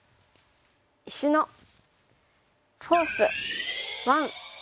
「石のフォース１」。